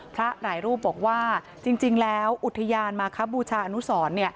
พระหลายรูปบอกว่าจริงแล้วอุทยานมาคบูชาอนุสร